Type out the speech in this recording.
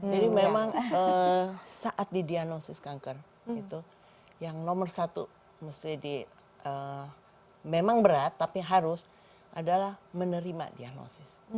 jadi memang saat didiagnosis kanker itu yang nomor satu memang berat tapi harus adalah menerima diagnosis